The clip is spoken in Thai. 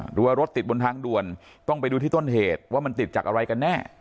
หรือว่ารถติดบนทางด่วนต้องไปดูที่ต้นเหตุว่ามันติดจากอะไรกันแน่